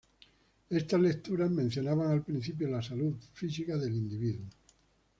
Estas lecturas mencionaban, al principio, la salud física del individuo.